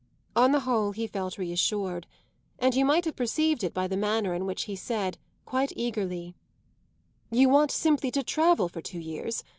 On the whole he felt reassured, and you might have perceived it by the manner in which he said, quite eagerly: "You want simply to travel for two years?